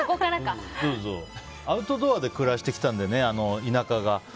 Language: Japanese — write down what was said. アウトドアで暮らしてきたんでね田舎が。